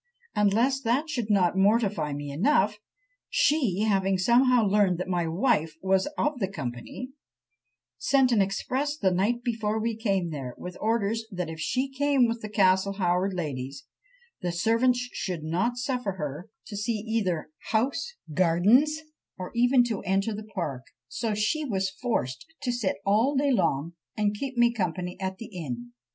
and lest that should not mortify me enough, she having somehow learned that my wife was of the company, sent an express the night before we came there, with orders that if she came with the Castle Howard ladies, the servants should not suffer her to see either house, gardens, or even to enter the park: so she was forced to sit all day long and keep me company at the inn!"